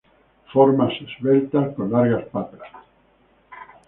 Formas esbeltas, con largas patas.